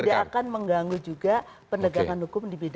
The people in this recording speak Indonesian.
harusnya tidak akan mengganggu juga pendegangan hukum di bidang pidana